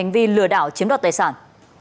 khi lừa đảo chiếm đoạt tài sản